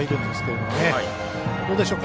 どうでしょうか。